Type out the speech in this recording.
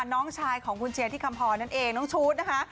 น้องชายของคุณเชียร์ที่คำพรนั่นเองน้องชูตนะคะ